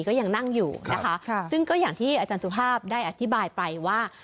ก็ยังนั่งอยู่นะคะซึ่งก็อย่างที่อาจารย์สุภาพได้อธิบายไปว่า